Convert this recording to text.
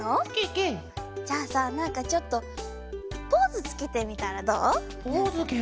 ケケ！じゃあさなんかちょっとポーズつけてみたらどう？